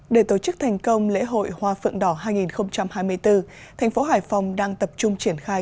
để tổ chức thành công lễ hội hoa phượng đỏ hai nghìn hai mươi bốn thành phố hải phòng đang tập trung triển khai